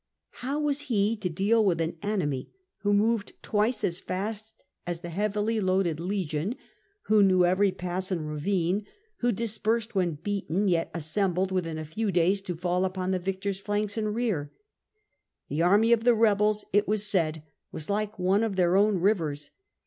How was he to deal with an enemy who moved twice as fast as the CAMPAIGNS AGAINST SERTORIUS 24s heavily loaded legion, who knew every pass and ravine, who dispersed when beaten, yet assembled within a few days to fall upon the victor's flanks and rear. The army of the rebels, it was said, was like one of their own rivers.